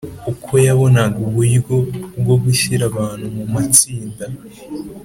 uko yabonaga uburyo bwo gushyira abantu mu matsinda